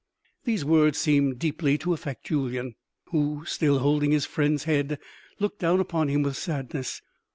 These words seemed deeply to affect Julyan, who still holding his friend's head looked down upon him with sadness.